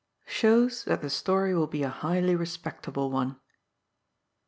SHOWS THAT THE STORY WILL BE A HIGHLY RESPECT ABLE ONE.